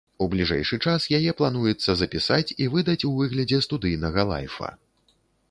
У бліжэйшы час яе плануецца запісаць і выдаць у выглядзе студыйнага лайфа.